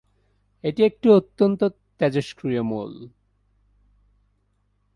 এটি একটি অত্যন্ত তেজস্ক্রিয় মৌল।